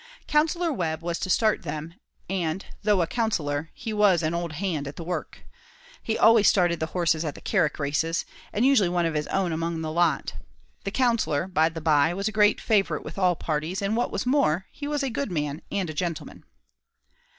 Counsellor Webb was to start them, and, though a counsellor, he was an old hand at the work. He always started the horses at the Carrick races, and usually one of his own among the lot. The Counsellor, by the by, was a great favourite with all parties, and what was more, he was a good man and a gentleman.